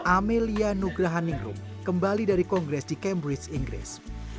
amelia nugrahaningrum kembali dari kongres di cambridge inggris